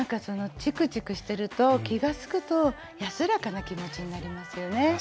ちくちくしてると気が付くと安らかな気持ちになりますよね。